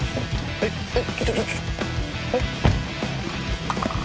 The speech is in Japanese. えっえっ？